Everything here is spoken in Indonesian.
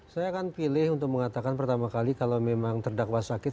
saya akan pilih untuk mengatakan pertama kali kalau memang terdakwa sakit